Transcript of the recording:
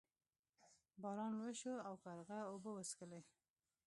باران وشو او کارغه اوبه وڅښلې.